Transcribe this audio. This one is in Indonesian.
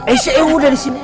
eh seudah disini